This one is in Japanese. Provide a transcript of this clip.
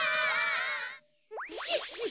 シッシッシッシ。